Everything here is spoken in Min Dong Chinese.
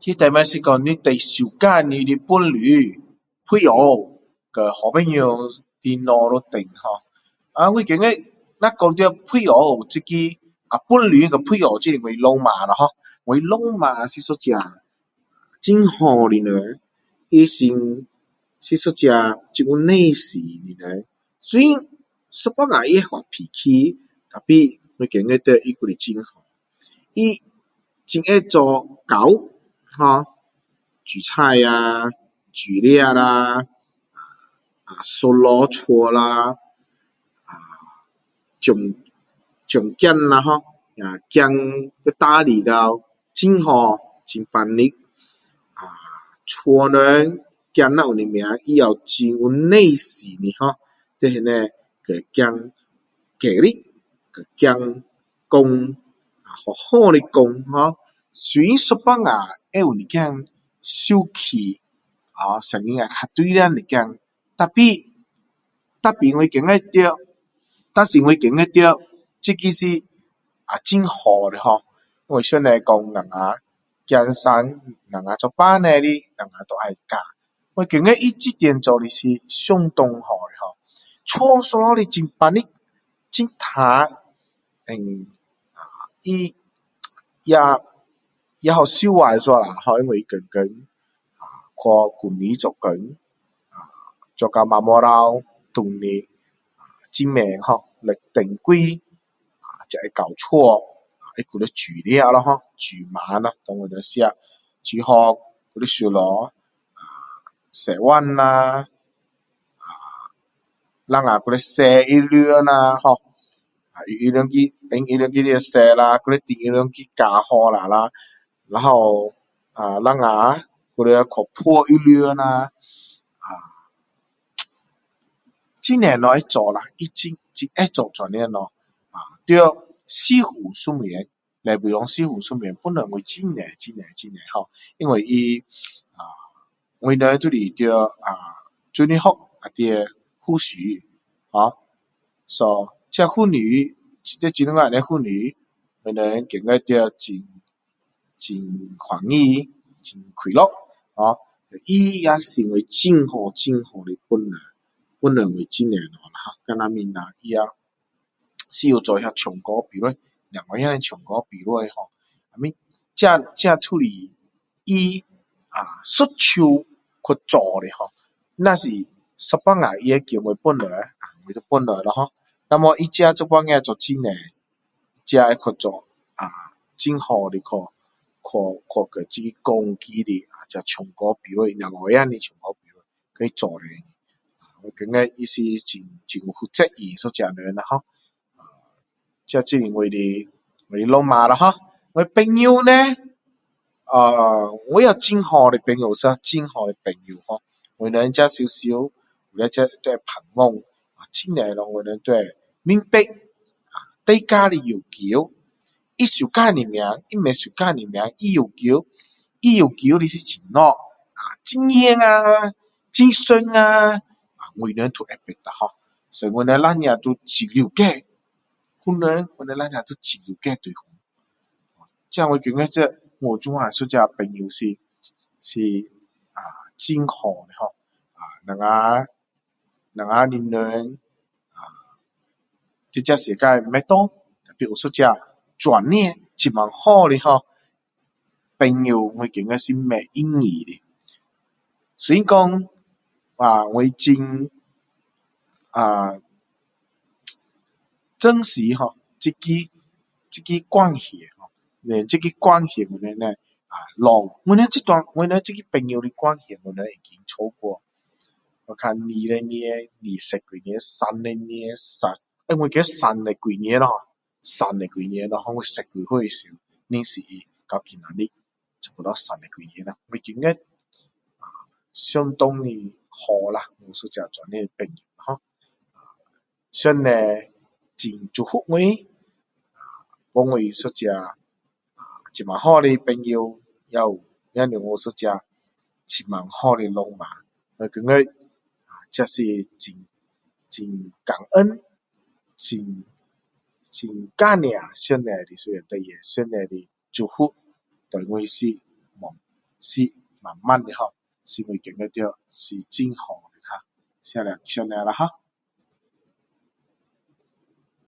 这个题目是讲你suka 伴侣配偶还是你的好朋友我觉得说伴侣就是我老婆咯hor 老婆是一个很好的人他是一个很有耐心的人虽然有时候她会发脾气tapi 我觉得说她还是她很会做家务煮菜呀煮饭啦收拾家啦照顾孩子啦hor 孩子跟他打理到很好很整齐呵家里人孩子有什么她也很有耐心的在那边和孩子解释跟孩子讲好好的讲hor 虽然有时候会有一点生气声音也比较大声一点tapi tapi 我觉得到但是我觉得到这个是很好的hor 因为上帝说我们孩子生我们做父母的都要教我觉得她这点做的是相当好家里收拾的很整齐很干净and 她呵也很可怜一下因为她天天去公司做工做到晚上回来很慢hor 六点多才会到家她还要煮饭啦hor 煮晚餐给我们吃煮好还要收拾洗碗啦呵等下还要洗衣服啦放洗衣机里洗啦还要等衣服搅好下然后等下还要去晒衣服很多东西要做她很会做这样的东西在侍奉上礼拜堂侍奉上帮助我很多很多因为她我们都是在主日学里面服待so 这我们觉得很高兴很快乐她也给我很大帮助